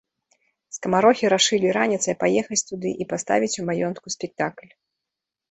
Скамарохі рашылі раніцай паехаць туды і паставіць у маёнтку спектакль.